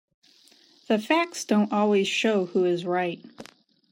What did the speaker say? The facts don't always show who is right.